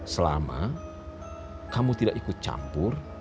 selama kamu tidak ikut campur